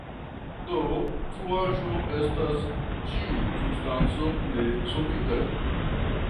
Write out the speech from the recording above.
Do fluaĵo estas ĉiu substanco ne-solida.